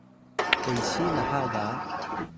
kesi naha ga